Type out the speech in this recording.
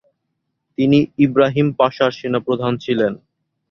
তিনি ইবরাহিম পাশার সেনাপ্রধান ছিলেন।